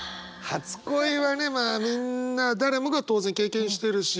初恋はねまあみんな誰もが当然経験してるし。